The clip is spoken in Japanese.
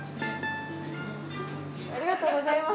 ありがとうございます。